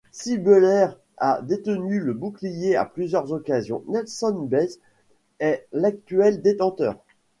Si Buller a détenu le bouclier à plusieurs occasions, Nelson Bays est l'actuel détenteur.